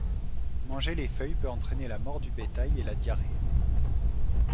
Manger les feuilles peut entraîner la mort du bétail et la diarrhée.